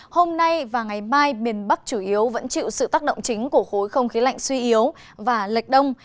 hôm nay và ngày mai miền bắc chủ yếu vẫn chịu sự tác động chính của khối không khí lạnh suy yếu và lệch đông